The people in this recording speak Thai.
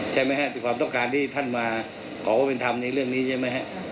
ใช่ไหมฮะคือความต้องการที่ท่านมาขอความเป็นธรรมในเรื่องนี้ใช่ไหมฮะ